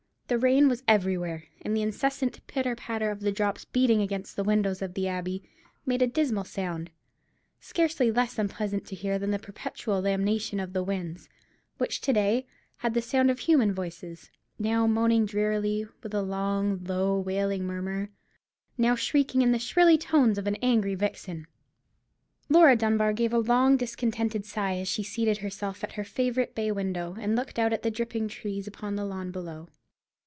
The rain was everywhere, and the incessant pitter patter of the drops beating against the windows of the Abbey made a dismal sound, scarcely less unpleasant to hear than the perpetual lamentation of the winds, which to day had the sound of human voices; now moaning drearily, with a long, low, wailing murmur, now shrieking in the shrilly tones of an angry vixen. Laura Dunbar gave a long discontented sigh as she seated herself at her favourite bay window, and looked out at the dripping trees upon the lawn below.